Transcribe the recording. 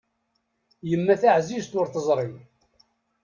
Yemma taɛzizt ur teẓri.